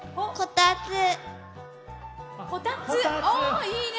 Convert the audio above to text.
おいいね！